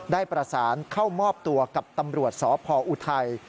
ได้ประสานเข้ามอบตัวกับตำรวจสพออุทัย